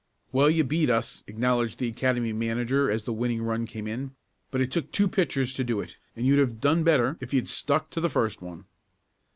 "Well, you beat us," acknowledged the Academy manager as the winning run came in. "But it took two pitchers to do it, and you'd have done better if you'd stuck to the first one."